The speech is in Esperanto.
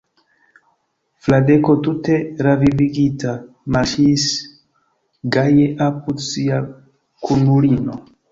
Fradeko tute revivigita marŝis gaje apud sia kunulino.